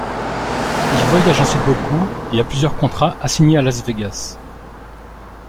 Il voyage ensuite beaucoup et a plusieurs contrats assignés à Las Vegas.